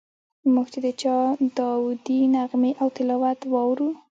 موږ چې د چا داودي نغمې او تلاوت واورو.